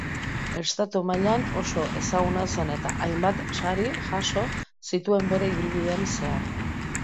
Estatu-mailan oso ezaguna zen, eta hainbat sari jaso zituen bere ibilbidean zehar.